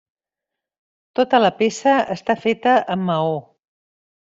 Tota la peça està feta amb maó.